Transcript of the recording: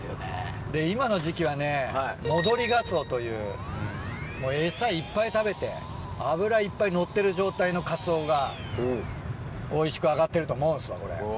で今の時期はね戻りガツオというエサいっぱい食べて脂いっぱいのってる状態のカツオがおいしく揚がってると思うんですわこれ。